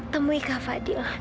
temui kak fadil